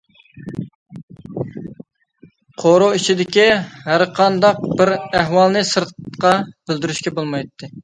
قورۇ ئىچىدىكى ھەر قانداق بىر ئەھۋالنى سىرتقا بىلدۈرۈشكە بولمايتتى.